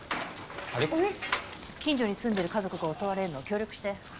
近所に住んでる家族が襲われるの協力して。